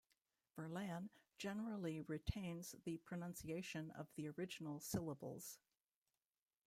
"Verlan" generally retains the pronunciation of the original syllables.